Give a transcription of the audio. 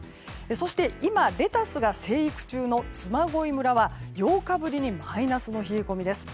そして今レタスが生育中の嬬恋村は８日ぶりにマイナスの冷え込みです。